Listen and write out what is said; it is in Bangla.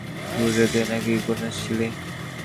ওজে, তুই নাকি এই ব্যাপারে শুনেছিলি?